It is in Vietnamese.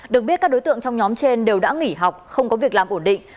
được biết các đối tượng trong nhóm trên đều đã nghỉ học không có việc làm ổn định